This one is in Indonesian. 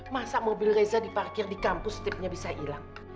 masa mobil reza diparkir di kampus tipnya bisa hilang